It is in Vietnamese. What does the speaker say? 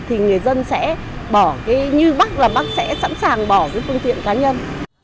thì người dân sẽ bỏ cái như bác là bác sẽ sẵn sàng bỏ cái phương tiện cá nhân